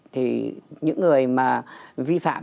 thì những người mà vi phạm